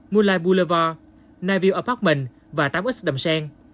moonlight boulevard nightview apartment và tám x đầm sen